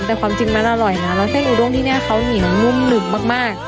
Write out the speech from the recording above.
แต่ความจริงมันอร่อยนะแล้วเส้นอุด้งที่นี่เขาเหนียวนุ่มหนึบมาก